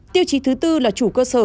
tiêu chí thứ tư là chủ cơ sở